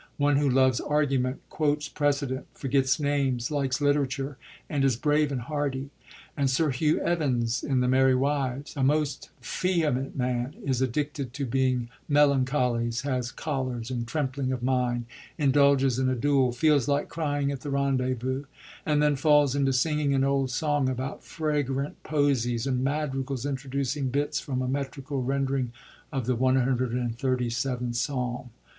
one who loves argument, quotes pi'ecedent, forgets names, likes literature, and is brave and hardy ; and Sir Hugh Evans in the Merry Wives, a most * f ehement ' man, is addicted to being * melancholies,' has ' chollors ' and ' trempling of mind,' indulges in a duel, feels like crying at the rendezvous, and then falls into singing an old song about fragrant posies and madrigals, introducing bits from a metrical rendering of the 137th Psalm.